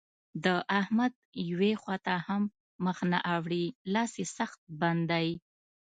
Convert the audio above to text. د احمد يوې خوا ته هم مخ نه اوړي؛ لاس يې سخت بند دی.